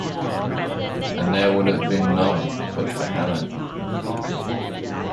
And there would have been none but for Helene.